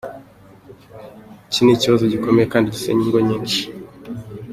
Iki ni ikibazo gikomeye kandi gisenya ingo nyinshi.